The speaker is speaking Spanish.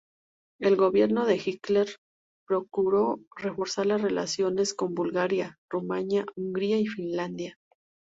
El gobierno de Hitler procuró reforzar las relaciones con Bulgaria, Rumanía, Hungría y Finlandia